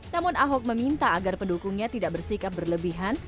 namun ahok meminta agar pendukungnya tidak bersikap berlebihan